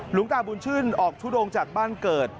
หลวงตาบุญชื่นออกทุดงจากบ้านเกิด